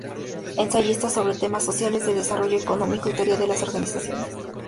Ensayista sobre temas sociales, de desarrollo económico y teoría de las organizaciones.